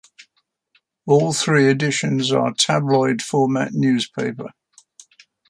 All three editions are tabloid format newspaper.